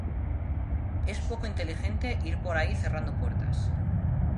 Es poco inteligente ir por ahí cerrando puertas.